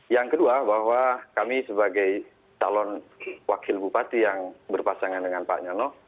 yang kedua bahwa kami sebagai calon wakil bupati yang berpasangan dengan pak nyono